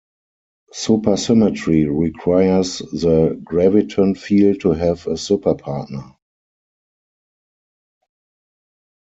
Supersymmetry requires the graviton field to have a superpartner.